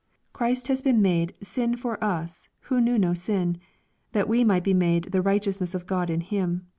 Christ has been made " sin for us who knew no sin, that we mighj be made the righteousness of God in Him."